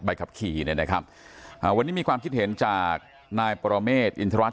ใบขับขี่นะครับวันนี้มีความคิดเห็นจากนายปรเมษอินทรวจ